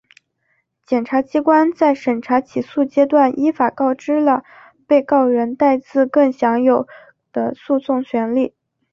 检察机关在审查起诉阶段依法告知了被告人戴自更享有的诉讼权利